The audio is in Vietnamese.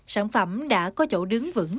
sản phẩm đã có chỗ đứng vững